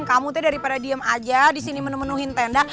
kamu teh daripada diem aja di sini menemenuhin tenda